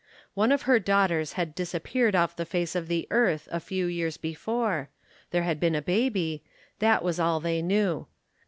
One of her daughters had disap peared off the face of the earth a few years before there had been a baby that was all they knew.